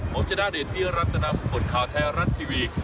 ผมจะได้ได้รับแนะนำผลข่าวแท้รัดทีวี